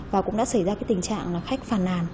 và cũng đã xảy ra cái tình trạng khách phàn nàn